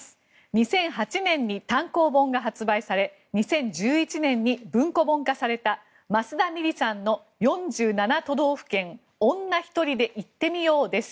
２００８年に単行本が発売され２０１１年に文庫本化された益田ミリさんの「４７都道府県女ひとりで行ってみよう」です。